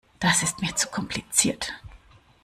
Das ist mir zu kompliziert.